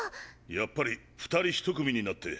やっぱり２人１組になって。